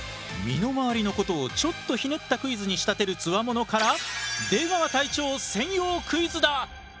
身の回りのことをちょっとひねったクイズに仕立てるつわものから出川隊長専用クイズだ！